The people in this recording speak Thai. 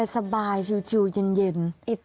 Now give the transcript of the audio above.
สบายชิวเย็น